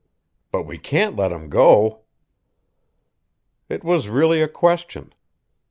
But we can't let him go." It was really a question.